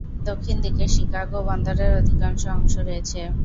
দক্ষিণ দিকে শিকাগো বন্দরের অধিকাংশ অংশ রয়েছে।